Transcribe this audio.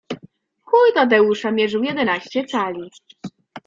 Chuj Tadeusza mierzył jedenaście cali